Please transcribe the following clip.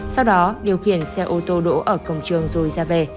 sau đó điều khiển xe ô tô đỗ ở cổng trường rồi ra về